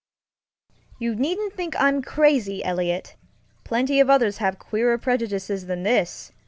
You needn't think I'm crazy, EliotŌĆöplenty of others have queerer prejudices than this.